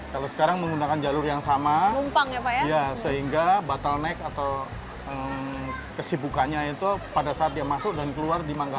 kalau sekarang menggunakan jalur yang sama sehingga bottleneck atau kesibukannya itu pada saat dia masuk dan keluar di manggara